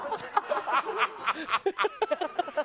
ハハハハ！